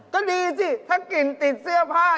ก็ดีสิถ้ากลิ่นติดเสื้อผ้า